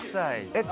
えっ